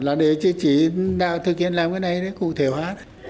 là để chứ chỉ thư kiến làm cái này đấy cụ thể hóa